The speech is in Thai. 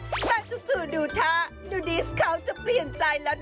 แป๊บจุจุดูทะดูดิสเขาจะเปลี่ยนใจละนะคะ